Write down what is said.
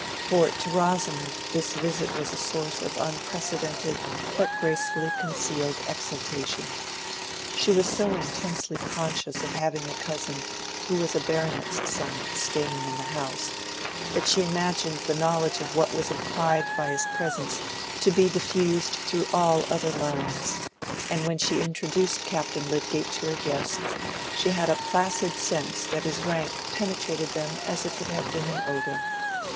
For to Rosamond this visit was a source of unprecedented but gracefully concealed exultation. She was so intensely conscious of having a cousin who was a baronet's son staying in the house, that she imagined the knowledge of what was implied by his presence to be diffused through all other minds; and when she introduced Captain Lydgate to her guests, she had a placid sense that his rank penetrated them as if it had been an odor.